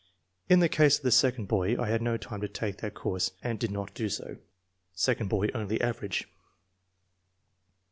In the case of the second boy, I had no time to take that course and did not do so." (Second boy only average.)